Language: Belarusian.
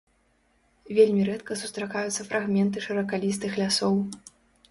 Вельмі рэдка сустракаюцца фрагменты шыракалістых лясоў.